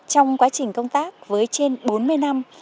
trong quá trình công tác với trên bốn mươi năm